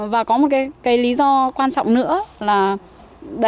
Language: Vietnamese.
và có một cái lý do quan trọng nữa là